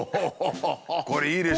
これいいでしょ？